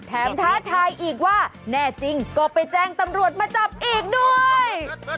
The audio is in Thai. ท้าทายอีกว่าแน่จริงก็ไปแจ้งตำรวจมาจับอีกด้วย